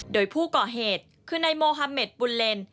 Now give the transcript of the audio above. โดยผู้ก่อเหตุคือนายโมฮาเมดบุญเลน